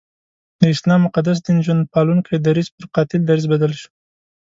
د اسلام مقدس دین ژوند پالونکی درځ پر قاتل دریځ بدل شو.